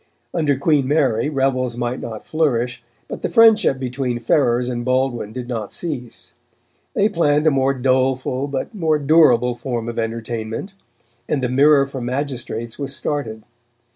Under Queen Mary, revels might not flourish, but the friendship between Ferrers and Baldwin did not cease. They planned a more doleful but more durable form of entertainment, and the Mirror for Magistrates was started.